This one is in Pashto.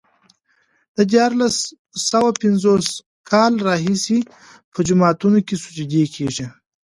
د دیارلس سوه پنځوس کاله راهيسې په جوماتونو کې سجدې کېږي.